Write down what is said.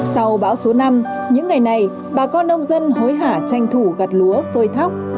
sau bão số năm những ngày này bà con nông dân hối hả tranh thủ gặt lúa phơi thóc